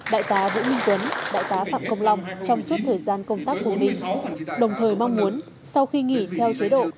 đại tá vũ minh tuấn đại tá phạm công long trong suốt thời gian công tác phố đi đồng thời mong muốn sau khi nghỉ theo chế độ